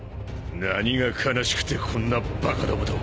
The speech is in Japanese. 何が悲しくてこんなバカどもと！